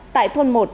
tại thôn một